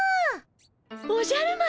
おじゃる丸！